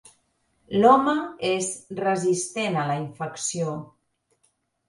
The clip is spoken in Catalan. L'home és resistent a la infecció.